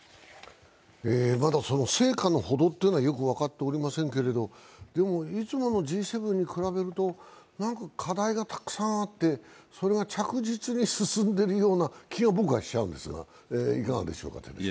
まだ成果のほどは分かっていませんが、いつものＧ７に比べると課題がたくさんあって、それが着実に進んでいるような気が僕はしますがどうでしょうか。